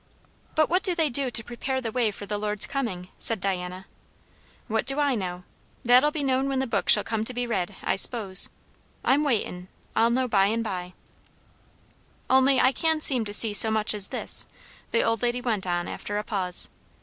"But what do they do to prepare the way for the Lord's coming?" said Diana. "What do I know? That'll be known when the book shall come to be read, I s'pose. I'm waitin'. I'll know by and by" "Only I can seem to see so much as this," the old lady went on after a pause.